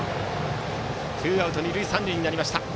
ツーアウト二塁三塁になりました。